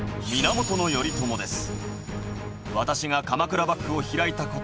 源頼朝です。